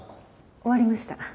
終わりました。